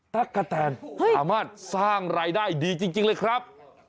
กะแตนสามารถสร้างรายได้ดีจริงเลยครับ